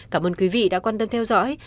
cảm ơn quý vị đã quan tâm theo dõi